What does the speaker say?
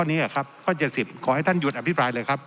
นี้อ่ะครับข้อเจ็ดสิบขอให้ท่านหยุดอภิปรายเลยครับ